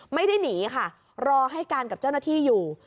ไม่ได้หนีค่ะรอให้การกับเจ้าหน้าที่อยู่